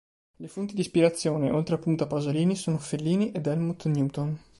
Le fonti di ispirazione, oltre appunto a Pasolini, sono Fellini ed Helmut Newton.